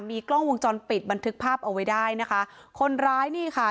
มีกล้องวงจรปิดบันทึกภาพเอาไว้ได้นะคะคนร้ายนี่ค่ะ